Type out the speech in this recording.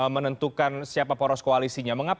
menentukan siapa poros koalisinya